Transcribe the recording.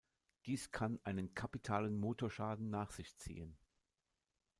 Dies kann einen kapitalen Motorschaden nach sich ziehen.